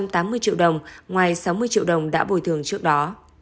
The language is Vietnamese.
một trăm tám mươi triệu đồng ngoài sáu mươi triệu đồng đã bồi thường trước đó